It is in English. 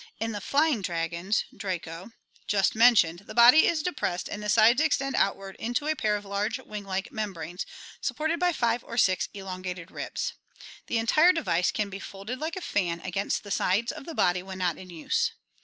In the "flying dragons," Draco (Fig. 76), just mentioned, the body is depressed and the sides extend outward into a pair of large, wing like mem branes, supported by five or six elongated ribs. The entire device can be folded like a fan against the sides of the body when not in use.